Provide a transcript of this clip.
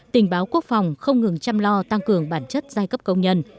tình báo quốc phòng không ngừng chăm lo tăng cường bản chất giai cấp công nhân